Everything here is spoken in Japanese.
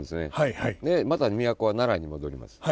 また都は奈良に戻ります。